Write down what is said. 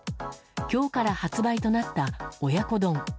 今日から発売となった親子丼。